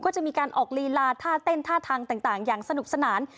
ก็จะมีการออกลีลาท่าเต้นท่าทางต่างอย่างสนุกสนาน